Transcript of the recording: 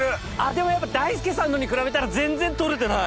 でもやっぱ大輔さんのに比べたら全然取れてない。